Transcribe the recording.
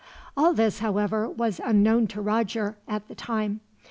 All this, however, was unknown to Roger at the time.